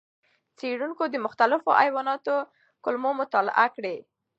څېړونکو د مختلفو حیواناتو کولمو مطالعې کړې.